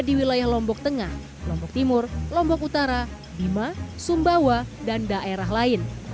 di wilayah lombok tengah lombok timur lombok utara bima sumbawa dan daerah lain